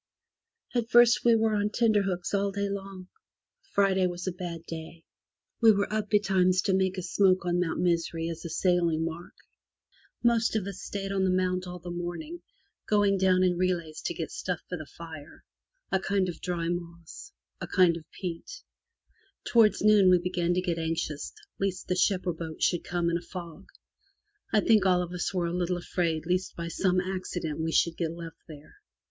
At first we were on tenterhooks all day long. Friday was a bad day. We were up betimes to make a smoke on Mount Misery as a sailing mark. Most of us stayed on the Mount all the morn ing, going down in relays to get stuff for the fire — a kind of dry moss, a kind of peat. Towards noon we began to get anxious lest the boat or ship should come in a fog. I think all of us were a little afraid lest by some accident we should get left there.